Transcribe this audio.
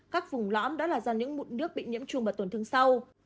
các vùng lõm đó là do những mụn nước bị nhiễm trùng và tổn thương sâu